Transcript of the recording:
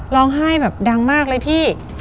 ร้องไห้แบบดังมากเลยพี่